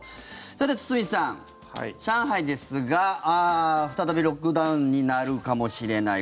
さて、堤さん上海ですが再びロックダウンになるかもしれない。